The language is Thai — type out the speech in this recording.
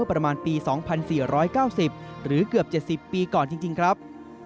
ประมาณปี๒๔๙๐หรือเกือบ๗๐ปีก่อนจริงครับ